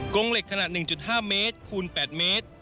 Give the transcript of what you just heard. งเหล็กขนาด๑๕เมตรคูณ๘เมตร